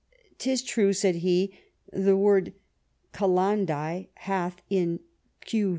* 'Tis true ' (said he) ' the word Cal andsc hath in Q.